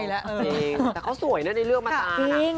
แต่เขาสวยนะในเรื่องมาตานะ